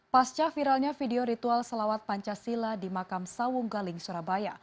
pasca viralnya video ritual salawat pancasila di makam sawung galing surabaya